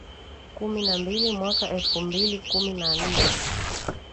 Kumi na mbili mwaka wa elfu mbili kumi na nne